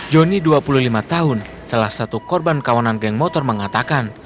joni dua puluh lima tahun salah satu korban kawanan geng motor mengatakan